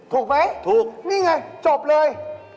ถูกไหมถูกนี่ไงจบเลย